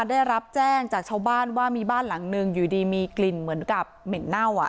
ได้รับแจ้งจากชาวบ้านว่ามีบ้านหลังนึงอยู่ดีมีกลิ่นเหมือนกับเหม็นเน่าอ่ะ